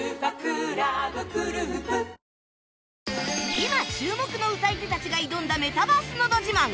今注目の歌い手たちが挑んだメタバースのど自慢